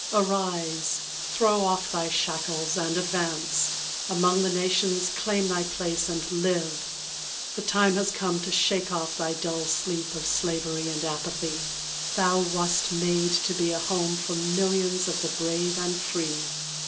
Arise, throw off thy shackles and advance Among the nations claim thy place, and live! The time has come to shake off thy dull sleep Of slavery and apathy: thou wast made to be A home for millions of the brave and free.